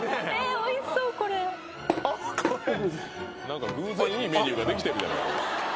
「何か偶然いいメニューができてるやん」